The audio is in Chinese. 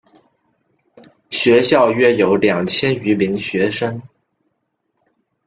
学校约有两千余名学生。